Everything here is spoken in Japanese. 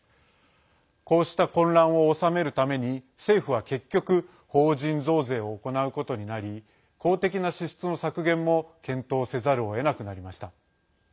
こうした混乱を収めるために政府は結局法人増税を行うことになり公的な支出の削減も検討せざるをえなくなりました。